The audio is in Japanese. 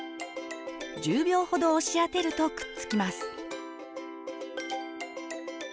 １０秒ほど押し当てるとくっつきます。